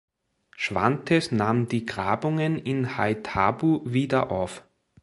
Schwantes nahm die Grabungen in Haithabu wieder auf.